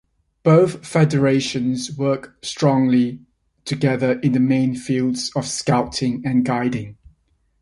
Both federations work strongly together in the main fields of Scouting and Guiding.